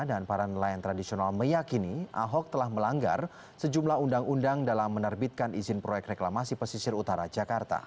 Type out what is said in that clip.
dan para nelayan tradisional meyakini ahok telah melanggar sejumlah undang undang dalam menerbitkan izin proyek reklamasi pesisir utara jakarta